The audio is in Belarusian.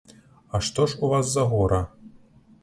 А што ж у вас за гора?